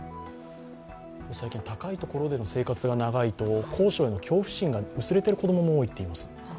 最近、高いところでの生活が長いと高所への恐怖心が薄れてる子供も多いといいます。